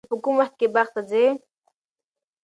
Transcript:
ته په کوم وخت کې باغ ته ځې؟